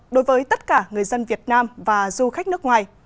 đối với tất cả người dân việt nam và du khách nước ngoài